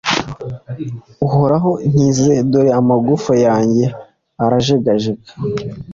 uhoraho, nkiza, dore amagufa yanjye arajegajega